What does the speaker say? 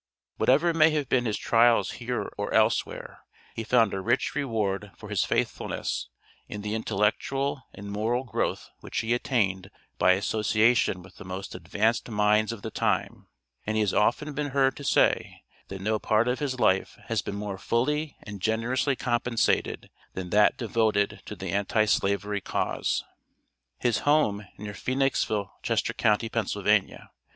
Whatever may have been his trials here or elsewhere, he found a rich reward for his faithfulness in the intellectual and moral growth which he attained by association with the most advanced minds of the time, and he has often been heard to say that no part of his life has been more fully and generously compensated than that devoted to the Anti slavery cause. His home, near Phoenixville, Chester county, Pa.